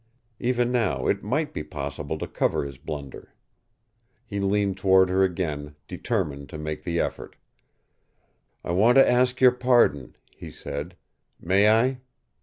Even now it might be possible to cover his blunder. He leaned toward her again, determined to make the effort. "I want to ask your pardon," he said. "May I?"